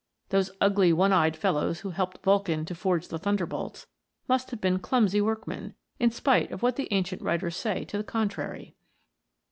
Those ugly one eyed fellows who helped Vulcan to forge the thunderbolts, must have been clumsy workmen, in spite of what the ancient writers say to the contrary.